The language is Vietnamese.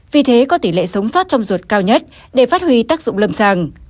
vì thế có tỷ lệ sống sót trong ruột cao nhất để phát huy tác dụng lâm sàng